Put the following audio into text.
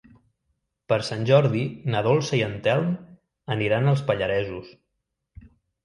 Per Sant Jordi na Dolça i en Telm aniran als Pallaresos.